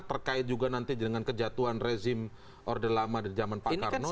terkait juga nanti dengan kejatuhan rezim order lama di zaman pak karno dan sebagainya